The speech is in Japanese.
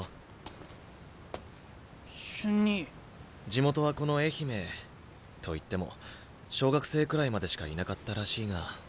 地元はこの愛媛と言っても小学生くらいまでしかいなかったらしいが。